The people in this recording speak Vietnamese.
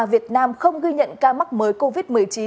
việt nam không ghi nhận ca mắc mới covid một mươi chín